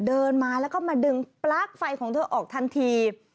เดินมาแล้วก็มาดึงปลั๊กไฟของเธอออกทันที